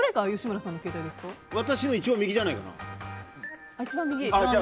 私は一番右じゃないかな。